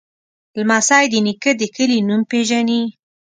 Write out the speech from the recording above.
لمسی د نیکه د کلي نوم پیژني.